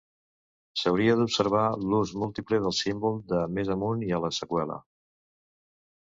S"hauria d"observar l"ús múltiple del símbol de més amunt i a la seqüela.